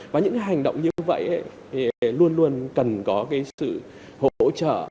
và những hành động như vậy luôn luôn cần có sự hỗ trợ